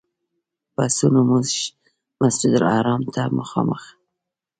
بسونو موږ مسجدالحرام ته مخامخ.